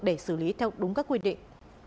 để xử lý theo đúng các quy định